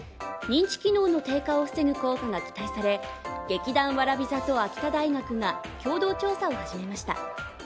認知機能の低下を防ぐ効果が期待され劇団わらび座と秋田大学が共同調査を始めました。